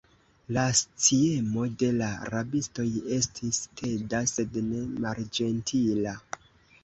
La sciemo de la rabistoj estis teda, sed ne malĝentila.